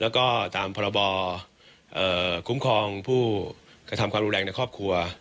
แล้วก็ตามพรบคุ้มครองผู้กระทำความรุนแรงในครอบครัว